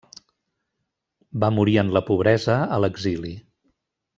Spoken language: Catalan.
Va morir en la pobresa a l'exili.